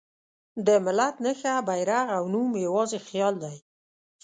د ملت نښه، بیرغ او نوم یواځې خیال دی.